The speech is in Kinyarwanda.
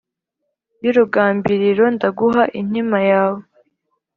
y’urugambiriro ndaguha inkima yawe.’